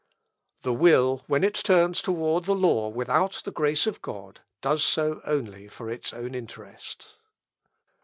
"The will, when it turns toward the law without the grace of God, does so only for its own interest.